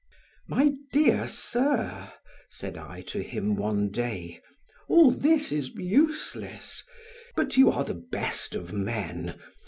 "My dear sir," said I to him one day, "all this is useless, but you are the best of men.